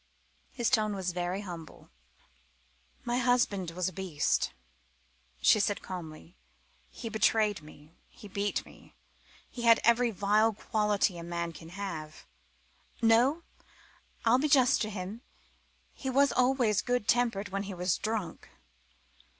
His tone was very humble. "My husband was a beast," she said calmly. "He betrayed me, he beat me, he had every vile quality a man can have. No, I'll be just to him: he was always good tempered when he was drunk.